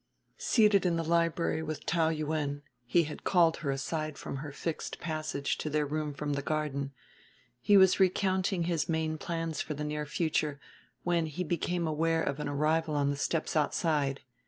Seated in the library with Taou Yuen he had called her aside from her fixed passage to their room from the garden he was recounting his main plans for the near future, when he became aware of an arrival on the steps outside.